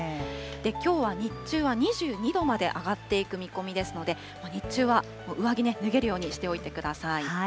きょうは日中は２２度まで上がっていく見込みですので、日中は上着脱げるようにしておいてください。